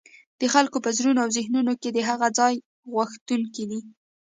د خلګو په زړونو او ذهنونو کي د هغه ځان غوښتونکي